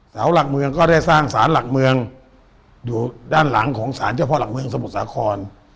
เสาหลักเมืองก็ได้สร้างสารหลักเมืองอยู่ด้านหลังของสารเจ้าพ่อหลักเมืองสมุทรสาคร